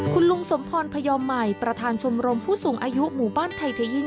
คุณลุงสมพรพยอมใหม่ประธานชมรมผู้สูงอายุหมู่บ้านไทยเทยิน